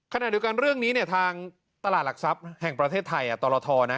ขณะเดียวกันเรื่องนี้เนี่ยทางตลาดหลักทรัพย์แห่งประเทศไทยตรทนะ